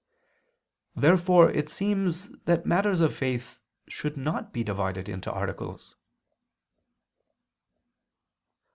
Therefore it seems that matters of faith should not be divided into articles.